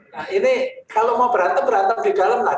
nah ini kalau mau berantem berantem di dalam lah